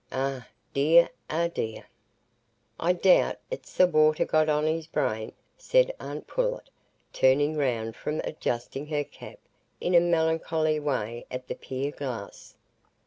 Eh dear, eh dear!" "I doubt it's the water got on his brain," said aunt Pullet, turning round from adjusting her cap in a melancholy way at the pier glass.